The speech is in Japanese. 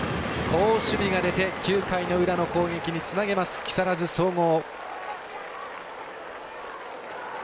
好守備が出て９回の裏の攻撃につなげます木更津総合。